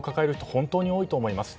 本当に多いと思います。